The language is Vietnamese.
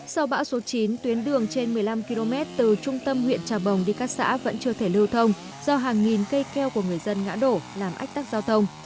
sau bão số chín tuyến đường trên một mươi năm km từ trung tâm huyện trà bồng đi các xã vẫn chưa thể lưu thông do hàng nghìn cây keo của người dân ngã đổ làm ách tắc giao thông